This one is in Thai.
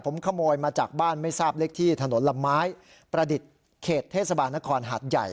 ผมขโมยมาจากบ้านไม่ทราบเลขที่ถนนละไม้ประดิษฐ์เขตเทศบาลนครหาดใหญ่